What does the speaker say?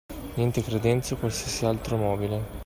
Niente credenze o qualsiasi altro mobile.